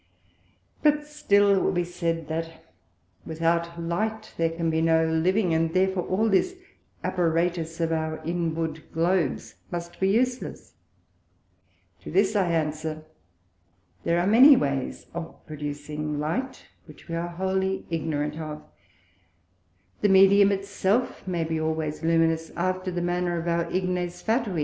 But still it will be said, That without Light there can be no living, and therefore all this apparatus of our inward Globes must be useless: To this I Answer, That there are many ways of producing Light which we are wholly ignorant of; the Medium it self may be always luminous after the manner of our Ignes fatui.